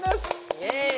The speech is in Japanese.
イエイ。